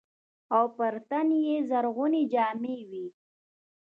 او پر تن يې زرغونې جامې وې.